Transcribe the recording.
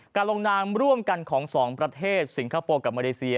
ลงนามร่วมกันของสองประเทศสิงคโปร์กับมาเลเซีย